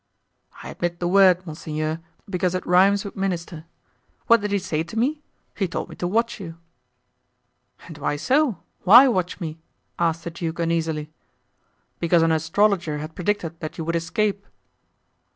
"I admit the word, monseigneur, because it rhymes with ministre [minister]. What did he say to me? He told me to watch you." "And why so? why watch me?" asked the duke uneasily. "Because an astrologer had predicted that you would escape."